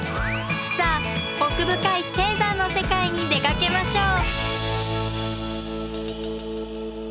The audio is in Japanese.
さあ奥深い低山の世界に出かけましょう。